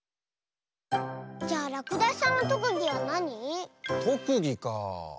じゃあらくだしさんのとくぎはなに？とくぎかあ。